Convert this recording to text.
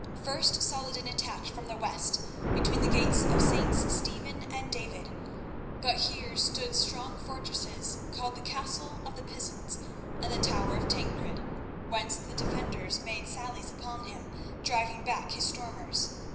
First Saladin attacked from the west between the gates of Sts. Stephen and of David, but here stood strong fortresses called the Castle of the Pisans and the Tower of Tancred, whence the defenders made sallies upon him, driving back his stormers.